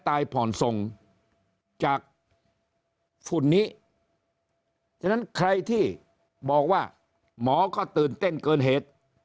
ตายผ่อนทรงจากฝุ่นนี้ใครที่บอกว่าหมอก็ตื่นเต้นเกินเหตุ